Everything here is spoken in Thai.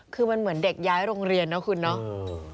คือมันเหมือนเด็กย้ายโรงเรียนนะคุณเนาะ